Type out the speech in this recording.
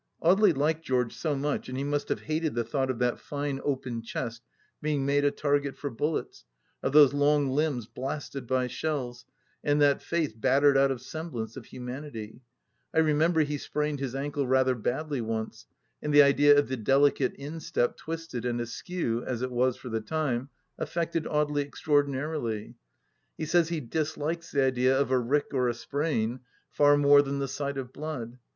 Audely liked George so much, and he must have hated the thought of that fine open chest being made a target for bullets, of those long limbs blasted by shells, and that face battered out of sem blance of humanity 1 I remember he sprained his ankle rather badly once, and the idea of the delicate instep twisted and askew, as it was for the time, affected Audely extra ordinarily. He says he dislikes the idea of a rick or a sprain far more than the sight of blood.